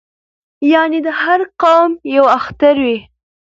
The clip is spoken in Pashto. یعنې د هر قوم یو اختر وي